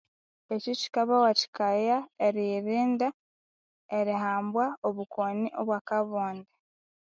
Ekyo kyikabawathikaya eriyirinda erihambwa obukoni obwa akabonde.